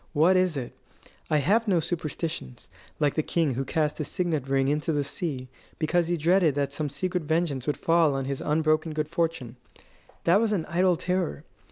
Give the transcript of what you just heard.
What is it? I have no superstitions, like the king who cast his signet ring into the sea because he dreaded that some secret vengeance would fall on his unbroken good fortune. That was an idle terror.